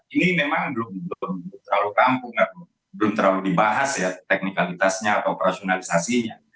ini memang belum terlalu rampung atau belum terlalu dibahas ya teknikalitasnya atau operasionalisasinya